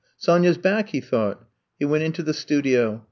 Sonya 's back!'' he thought. He went into the studio.